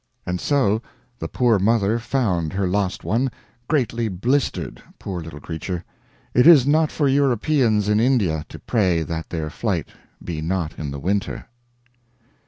And so the poor mother found her lost one, 'greatly blistered,' poor little creature. It is not for Europeans in India to pray that their flight be not in the winter."